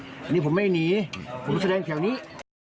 อันนี้ผมไม่หนีผมแสดงแถวนี้